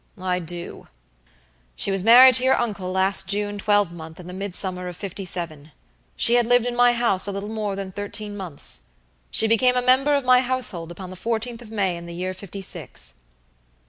"I do." "She was married to your uncle last June twelvemonth, in the midsummer of fifty seven. She had lived in my house a little more than thirteen months. She became a member of my household upon the fourteenth of May, in the year fifty six."